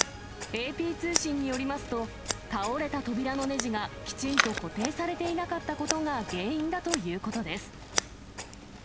ＡＰ通信によりますと、倒れた扉のねじが、きちんと固定されていなかったことが原因だということです。